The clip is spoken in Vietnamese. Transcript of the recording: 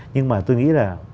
nhưng mà tôi nghĩ là